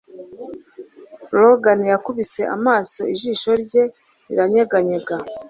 logan yakubise amaso, ijisho rye riranyeganyega